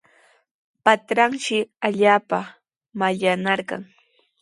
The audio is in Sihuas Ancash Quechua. Patranshi allaapa mallaqnarqan.